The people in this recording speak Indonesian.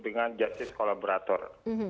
dengan jasis kolaborator